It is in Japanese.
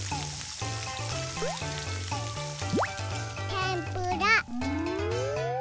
てんぷら。